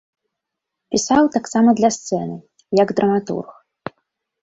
Пісаў таксама для сцэны, як драматург.